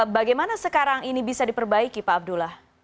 bagaimana sekarang ini bisa diperbaiki pak abdullah